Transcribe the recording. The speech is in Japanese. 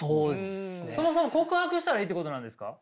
そもそも告白したらいいってことなんですか？